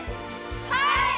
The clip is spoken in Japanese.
はい！